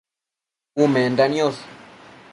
Umenda niosh